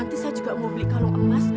nanti saya juga mau beli kalung emas